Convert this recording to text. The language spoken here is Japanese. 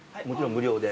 無料で。